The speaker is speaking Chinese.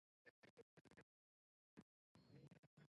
重庆是一座多山的城市。